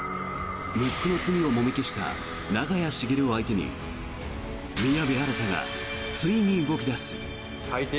息子の罪をもみ消した長屋茂を相手に宮部新がついに動き出す。